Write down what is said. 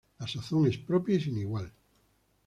La sazón es propia y sin igual.